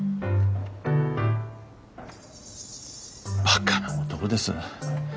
バカな男です。